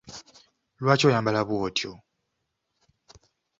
Lwaki oyambala bw'otyo?